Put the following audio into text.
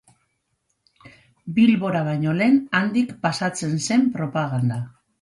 Bilbora baino lehen, handik pasatzen zen propaganda.